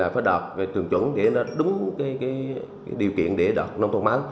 phải đợt về trường chuẩn để đúng điều kiện để đợt nông thôn mới